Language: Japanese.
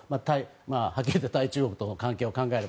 はっきり言って対中国との関係を考えれば。